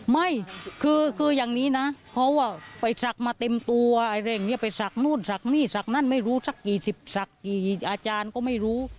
ไม่คืออย่างนี้นะเพราะว่าไปฝักมาเต็มตัวไอ้เร่งนี้ไปฝักนู่นฝักนี้ฝักนั้นไม่รู้ฝากกี่สิบฝักกี่อาจารย์ก็ไม่รู้